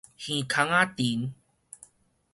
耳空仔藤